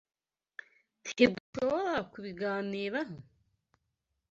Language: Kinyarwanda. Ntidushobora kubiganiraho?